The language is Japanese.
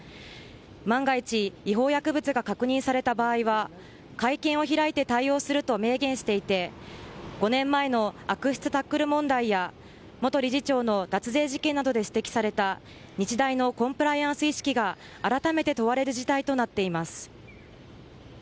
万が一違法薬物が確認された場合は会見を開いて対応すると明言していて５年前の悪質タックル問題や元理事長の脱税事件などで指摘された日大のコンプライアンス意識があらためて問われる事態となっています。